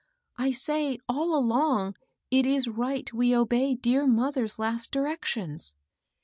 I say, all along, it is ri^t we obey deai mother's last directions."